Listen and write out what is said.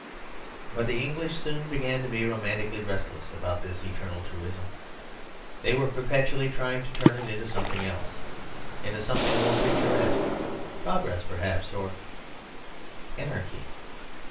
But the English soon began to be romantically restless about this eternal truism; they were perpetually trying to turn it into something else, into something more picturesque progress perhaps, or anarchy.